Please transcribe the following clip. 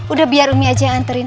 udah biar umi aja yang anterin